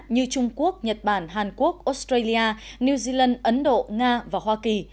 như trung quốc nhật bản hàn quốc australia new zealand ấn độ nga và hoa kỳ